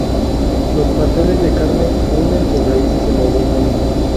Los pasteles de carne hunden sus raíces en la Edad Media.